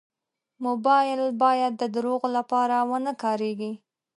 موبایل باید د دروغو لپاره و نه کارېږي.